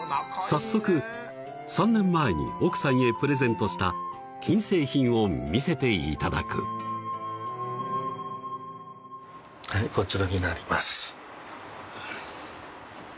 早速３年前に奥さんへプレゼントした金製品を見せていただくはいこちらになります